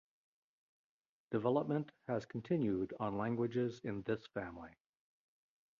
Development has continued on languages in this family.